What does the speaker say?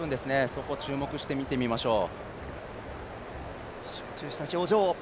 そこを注目して見てみましょう。